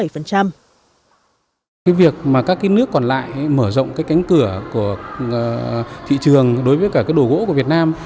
với việc mà các nước còn lại mở rộng cái cánh cửa của thị trường đối với cả đồ gỗ của việt nam